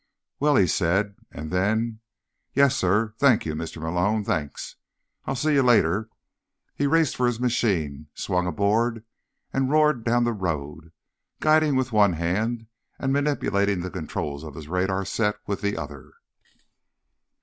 "Well—" he said, and then: "Yes, sir. Thank you, Mr. Malone. Thanks. I'll see you later." He raced for his machine, swung aboard and roared down the road, guiding with one hand and manipulating the controls of his radar set with the other.